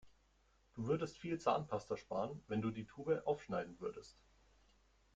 Du würdest viel Zahnpasta sparen, wenn du die Tube aufschneiden würdest.